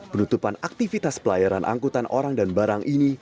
penutupan aktivitas pelayaran angkutan orang dan barang ini